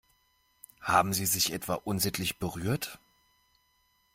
Haben sie sich etwa unsittlich berührt?